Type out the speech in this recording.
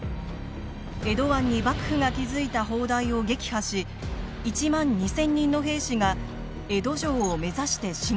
江戸湾に幕府が築いた砲台を撃破し１万２，０００人の兵士が江戸城を目指して進撃します。